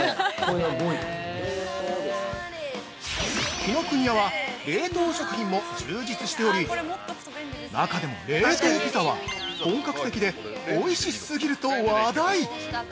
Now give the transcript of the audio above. ◆紀ノ国屋は冷凍食品も充実しており中でも冷凍ピザは、本格的でおいしすぎると話題。